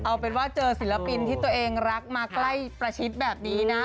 เอาเป็นว่าเจอศิลปินที่ตัวเองรักมาใกล้ประชิดแบบนี้นะ